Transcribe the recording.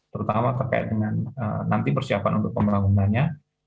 terutama terkait dengan nanti persiapan untuk pembangunannya